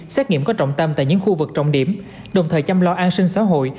xét nghiệm có trọng tâm tại những khu vực trọng điểm đồng thời chăm lo an sinh xã hội